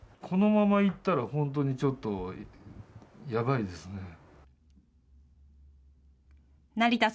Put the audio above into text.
このままいったら本当にちょっと、やばいですね。